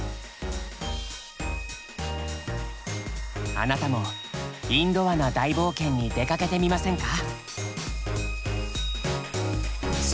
あなたもインドアな大冒険に出かけてみませんか？